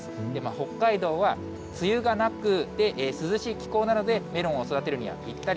北海道は梅雨がなくて涼しい気候なので、メロンを育てるにはぴったり。